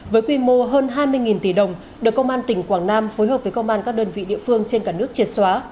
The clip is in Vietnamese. với quy mô hơn hai mươi tỷ đồng được công an tỉnh quảng nam phối hợp với công an các đơn vị địa phương trên cả nước triệt xóa